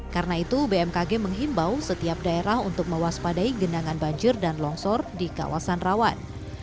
karena itu bmkg menghimbau setiap daerah untuk mewaspadai genangan banjir dan longsor di kawasan rawan